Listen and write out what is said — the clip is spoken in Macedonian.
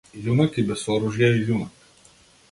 Јунак и без оружје е јунак.